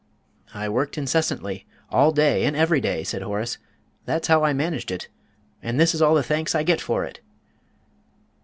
"I worked incessantly all day and every day," said Horace. "That's how I managed it and this is all the thanks I get for it!"